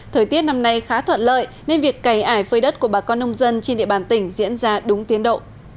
thời tiết năm nay khá thuận lợi nên việc cày ải phơi đất của bà con nông dân trên địa bàn tỉnh diễn ra đúng tiến độ